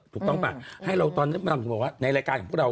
ถูกต้องป่ะให้เราตอนนั้นถึงบอกว่าในรายการของพวกเรา